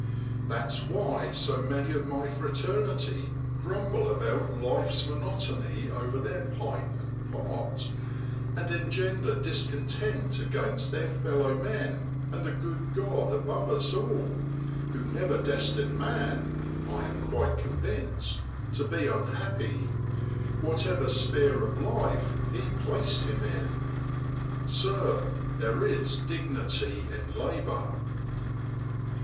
That's why so many of my fraternity grumble about life's monotony over their pipe and pot, and engender discontent against their fellow men and the good Grod above us all, who never destined man, I am quite convinced, to be unhappy, whatever sphere of life He placed him in. Sir, there is dignity in labour.'